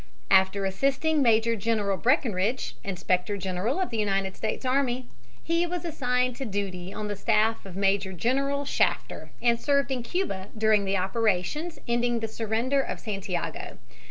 After assisting Major General Breckinridge, inspector general of the United States army, he was assigned to duty on the staff of Major General Shafter and served in Cuba during the operations ending in the surrender of Santiago.